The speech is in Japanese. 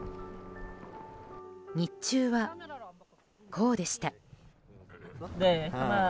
日中はこうでした。